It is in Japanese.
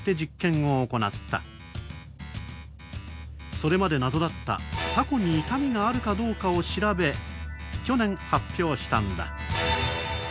それまで謎だったタコに痛みがあるかどうかを調べ去年発表したんだ。